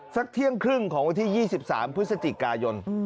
สักเที่ยงครึ่งของวันที่๒๓พฤศจิกายน